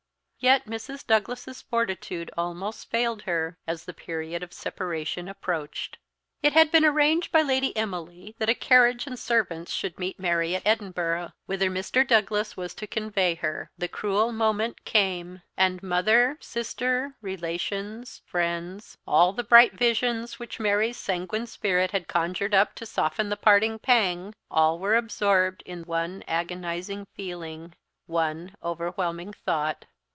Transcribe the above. Yet Mrs. Douglas's fortitude almost failed her as the period of separation approached. It had been arranged by Lady Emily that a carriage and servants should meet Mary at Edinburgh, whither Mr. Douglas was to convey her. The cruel moment came; and mother, sister, relations, friends, all the bright visions which Mary's sanguine spirit had conjured up to soften the parting pang, all were absorbed in one agonising feeling, one overwhelming thought.